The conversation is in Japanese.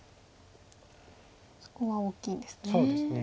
そこが大きいんですね。